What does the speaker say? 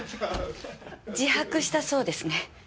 自白したそうですね。